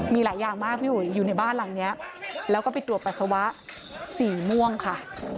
มีหลายอย่างมากพี่อุ๋ยอยู่ในบ้านหลังนี้แล้วก็ไปตรวจปัสสาวะสีม่วงค่ะ